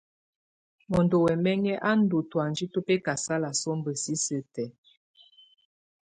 Mɔndɔ wa ɛmɛŋɛ á ndù tɔ̀ánjɛ tù bɛkasala sɔmba sisiǝ́ tɛ̀á.